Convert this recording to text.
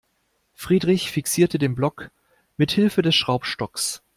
Friedrich fixierte den Block mithilfe des Schraubstocks.